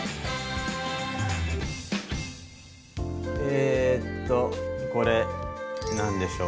えとこれ何でしょう？